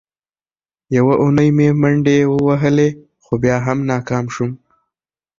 یوه اونۍ مې منډې ووهلې، خو بیا هم ناکام شوم.